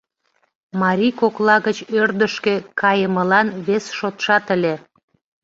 Марий кокла гыч ӧрдыжкӧ кайымылан вес шотшат ыле.